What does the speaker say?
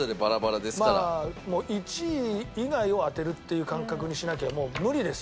１位以外を当てるっていう感覚にしなきゃもう無理です。